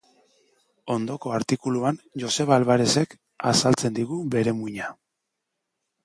Ondoko artikuluan Joseba Alvarerezek azaltzen digu bere muina.